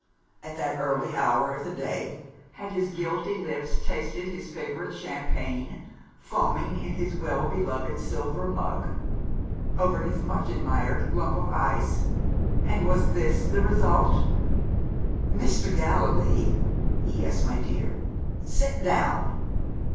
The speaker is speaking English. At that early hour of the day, had his guilty lips tasted his favourite champagne, foaming in his well beloved silver mug, over his much admired lump of ice? And was this the result? "Mr. Gallilee!" "Yes, my dear?" "Sit down!"